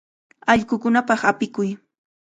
Allqukunapaq apikuy.